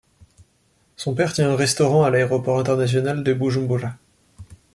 Son père tient un restaurant à l'aéroport international de Bujumbura.